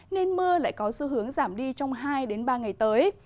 nên mưa lại có xu hướng giảm đi trong hai ba ngày tới